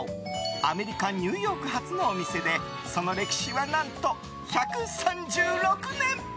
アメリカ・ニューヨーク発のお店でその歴史は何と１３６年。